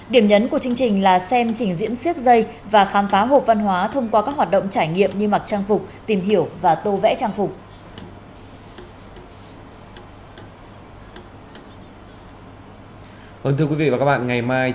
điểm nhấn của chương trình là xem trình diễn siếc dây và khám phá hộp văn hóa thông qua các hoạt động trải nghiệm như mặc trang phục tìm hiểu và tô vẽ trang phục